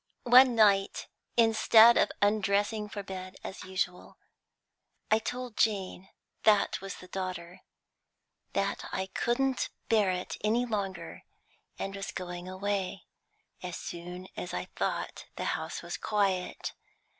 One night, instead of undressing for bed as usual, I told Jane that was the daughter that I couldn't bear it any longer, and was going away, as soon as I thought the house was quiet.